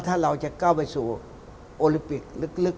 ถ้าเราจะก้าวไปสู่โอลิมปิกลึก